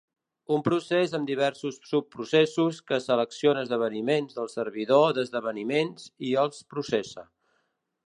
Un procés amb diversos subprocessos que selecciona esdeveniments del servidor d'esdeveniments i els processa.